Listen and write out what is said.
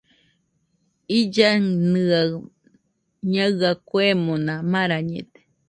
Illaɨnɨaɨ ñaɨa kuemona marañede.